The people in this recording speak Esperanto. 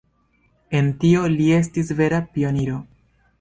En tio, li estis vera pioniro.